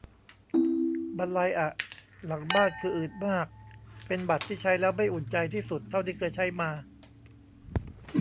บรรลัยอะ หลังบ้านคืออืดมาก เป็นบัตรที่ใช้แล้วไม่อุ่นใจที่สุดเท่าที่เคยใช้มา